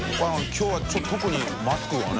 きょうはちょっと特にマスクがね。